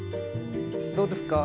どうですか？